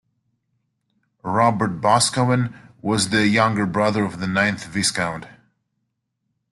Robert Boscawen was the younger brother of the ninth Viscount.